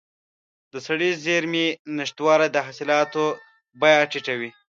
د سړې زېرمې نشتوالی د حاصلاتو بیه ټیټوي.